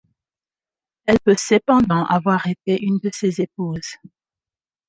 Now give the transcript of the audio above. Elle peut cependant avoir été une de ses épouses.